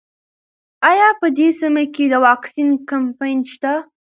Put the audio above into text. ایا په دې سیمه کې د واکسین کمپاین شته؟